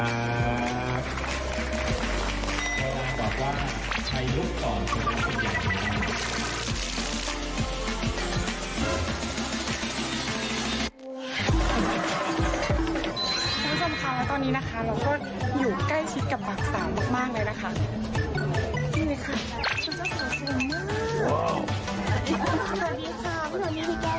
นี่เลยค่ะคุณเจ้าสวยมาก